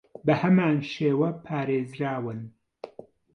بەهەمان شێوە پارێزراون